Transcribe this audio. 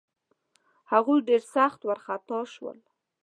هغوی ډېر سخت وارخطا شول.